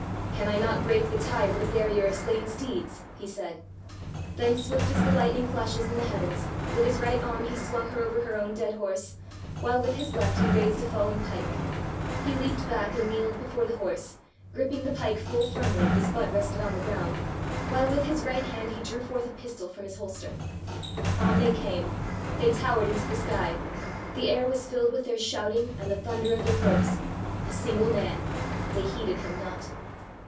"Can I not break the tide with a barrier of slain steeds?" he said. Then swift as the lightning flashes in the heavens, with his right arm he swung her over her own dead horse, while with his left he raised a fallen pike. He leaped back and kneeled before the horse, gripping the pike full firmly, whose butt rested on the ground, while with his right hand he drew forth a pistol from his holster. On they came, they towered into the sky, the air was filled with their shouting and the thunder of their hoofs. A single man! They heeded him not.